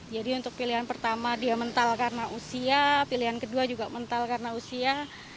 jadi untuk pilihan pertama dia mental karena usia pilihan kedua juga mental karena usia